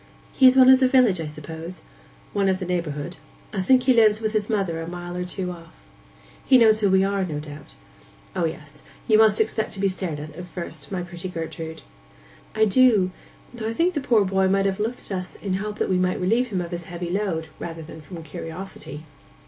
'He is one of the village, I suppose?' 'One of the neighbourhood. I think he lives with his mother a mile or two off.' 'He knows who we are, no doubt?' 'O yes. You must expect to be stared at just at first, my pretty Gertrude.' 'I do,—though I think the poor boy may have looked at us in the hope we might relieve him of his heavy load, rather than from curiosity.